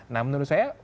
nah menurut saya